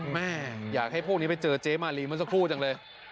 แม่อยากให้พวกนี้ไปเจอเจ๊มาลีเมื่อสักครู่จังเลย